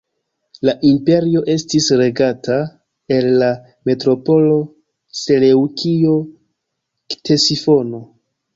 La imperio estis regata el la metropolo Seleŭkio-Ktesifono.